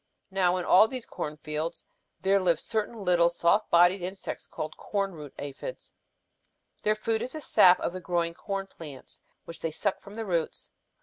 Now in all these corn fields there live certain tiny soft bodied insects called corn root aphids. Their food is the sap of the growing corn plants which they suck from the roots.